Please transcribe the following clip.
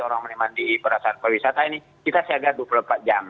orang orang di perasaan perwisata ini kita seharga dua puluh empat jam